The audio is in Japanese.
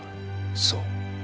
そう。